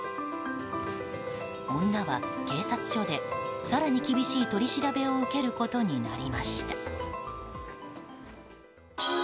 女は警察署で更に厳しい取り調べを受けることになりました。